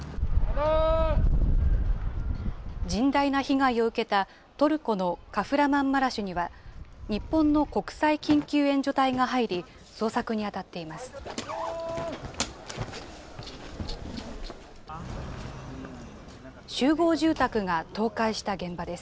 甚大な被害を受けたトルコのカフラマンマラシュには、日本の国際緊急援助隊が入り、捜索に当たっています。